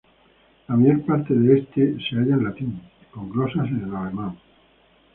La mayor parte de este se halla en latín, con glosas en alemán.